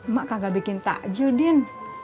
mak kagak bikin takjudin